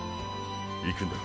行くんだろ？